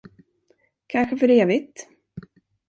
Kanske för evigt.